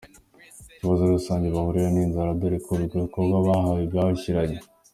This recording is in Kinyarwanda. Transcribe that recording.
Ikibazo rusange bahuriyeho ni inzara, dore ko ngo ibiribwa bahawe byabashiranye.